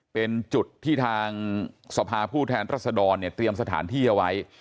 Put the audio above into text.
เป็นจุดที่ทางสภาผู้แทนรัศดรเนี่ยเตรียมสถานที่เอาไว้